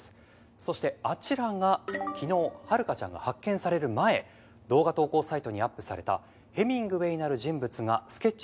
「そしてあちらが昨日遥香ちゃんが発見される前動画投稿サイトにアップされたヘミングウェイなる人物がスケッチブックに描いた絵です」